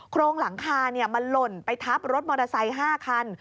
โครงหลังคามันหล่นไปทับรถมอเตอร์ไซค์๕คัน